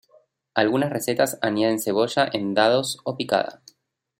Algunas recetas añaden cebolla en dados o picada.